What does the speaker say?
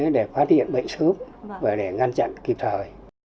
để phát hiện bệnh sớm và để ngăn chặn kịp thời